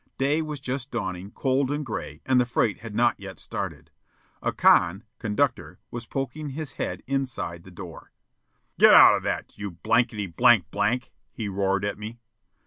Day was just dawning, cold and gray, and the freight had not yet started. A "con" (conductor) was poking his head inside the door. "Get out of that, you blankety blank blank!" he roared at me.